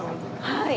はい。